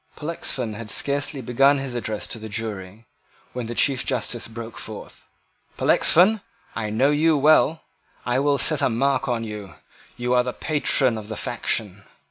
Pollexfen had scarcely begun his address to the jury, when the Chief Justice broke forth: "Pollexfen, I know you well. I will set a mark on you. You are the patron of the faction.